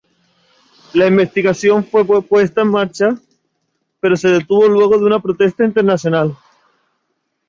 La investigación fue puesta en marcha, pero se detuvo luego de una protesta internacional.